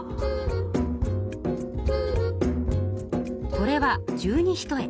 これは十二単。